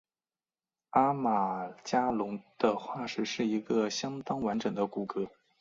阿马加龙的化石是一个相当完整的骨骼。